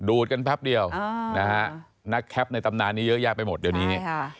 กันแป๊บเดียวนะฮะนักแคปในตำนานนี้เยอะแยะไปหมดเดี๋ยวนี้